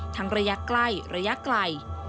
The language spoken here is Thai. ทั้งระยะใกล้ระยะไกล